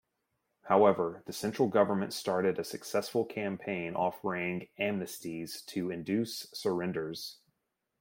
However, the central government started a successful campaign offering amnesties to induce surrenders.